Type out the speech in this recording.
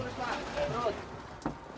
terus pak terus